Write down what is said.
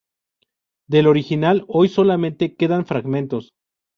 Del original hoy solamente quedan fragmentos.